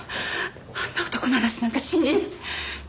あんな男の話なんか信じない。